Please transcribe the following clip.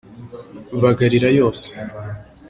Bagarira yose.